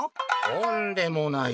「とんでもない！